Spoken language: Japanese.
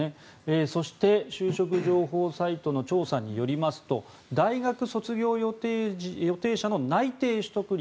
そして就職情報サイトの調査によりますと大学卒業予定者の内定取得率